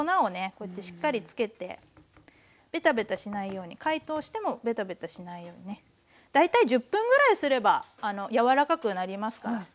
こうやってしっかりつけてベタベタしないように解凍してもベタベタしないようにね大体１０分ぐらいすれば柔らかくなりますから。